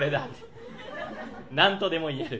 なんとでも言える。